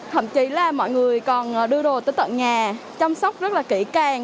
thậm chí là mọi người còn đưa đồ tới tận nhà chăm sóc rất là kỹ càng